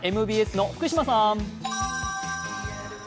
ＭＢＳの福島さん。